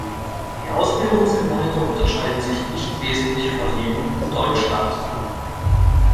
Die Ausbildungsinhalte unterscheiden sich nicht wesentlich von jenen in Deutschland.